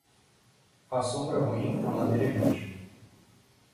Faz sombra ruim, a madeira é inútil.